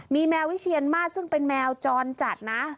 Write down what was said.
มีแมววิเชียนมาสซึ่งเป็นแมวจรจัดนะ